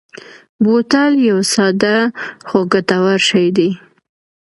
بوتل یو ساده خو ګټور شی دی.